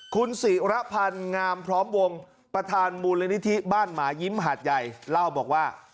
คุณศิรพันธ์งามพร้อมวงประธานมูลนิธิบ้านหมายิ้มหาดใหญ่เล่าบอกว่า